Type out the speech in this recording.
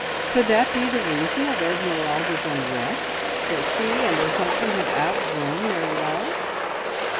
Could that be the reason of Esmeralda's unrest, that she and her husband had outgrown their love?